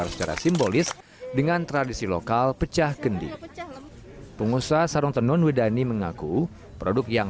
secara simbolis dengan tradisi lokal pecah kendi pengusaha sarung tenun widani mengaku produk yang